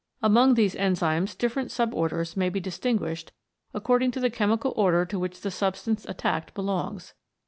Among these enzymes different sub orders may be distinguished according to the chemical order to which the substance attacked belongs.